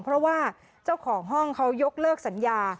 เพราะว่าเจ้าของห้องเขายกเลิกสัญญา